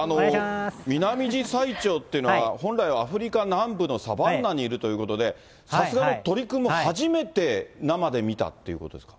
ミナミジサイチョウというのは本来はアフリカ南部のサバンナにいるということで、さすがの鳥くんも初めて生で見たということですか。